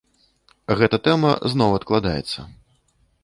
Гэта тэма зноў адкладаецца.